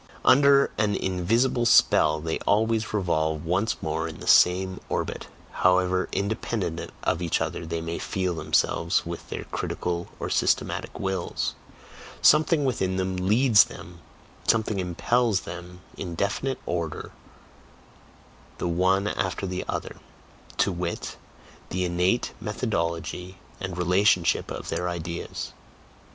Under an invisible spell, they always revolve once more in the same orbit, however independent of each other they may feel themselves with their critical or systematic wills, something within them leads them, something impels them in definite order the one after the other to wit, the innate methodology and relationship of their ideas.